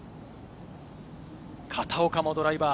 片岡もドライバー。